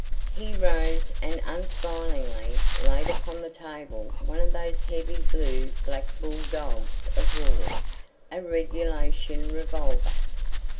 He rose and unsmilingly laid upon the table one of those heavy blue black bull dogs of war, a regulation revolver.